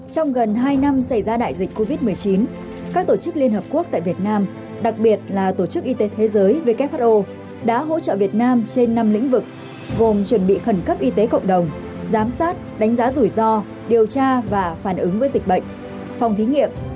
trong gần hai năm xảy ra đại dịch covid một mươi chín các tổ chức liên hợp quốc tại việt nam đặc biệt là tổ chức y tế thế giới who đã hỗ trợ việt nam trên năm lĩnh vực gồm chuẩn bị khẩn cấp y tế cộng đồng giám sát đánh giá rủi ro điều tra và phản ứng với dịch bệnh phòng thí nghiệm